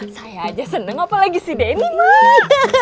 saya aja seneng apalagi si denny